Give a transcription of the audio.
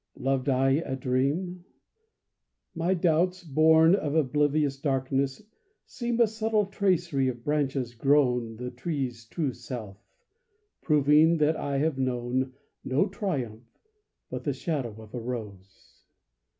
Loved I a dream? My doubts, born of oblivious darkness, seem A subtle tracery of branches grown The tree's true self proving that I have known No triumph, but the shadow of a rose.